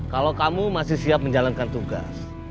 kalau kamu masih siap menjalankan tugas